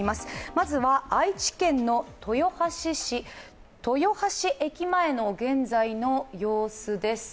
まずは愛知県の豊橋市、豊橋駅前の現在の様子です。